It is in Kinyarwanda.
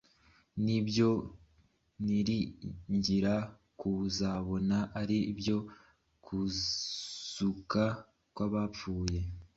ni ibyo niringira kuzabona, ari byo kuzuka kw’abapfuye.